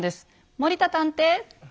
森田探偵。